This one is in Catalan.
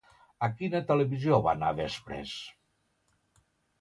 A quina televisió va anar després?